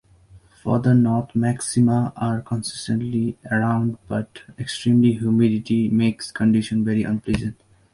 Further north, maxima are consistently around but extreme humidity makes conditions very unpleasant.